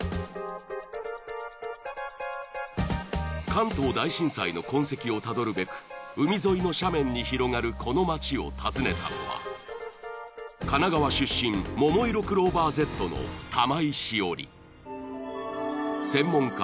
関東大震災の痕跡をたどるべく海沿いの斜面に広がるこの町を訪ねたのは神奈川出身ももいろクローバーＺの玉井詩織専門家